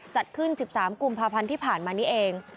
จัดขึ้น๑๓กุมภาพันธ์ที่ผ่านมานี้เอง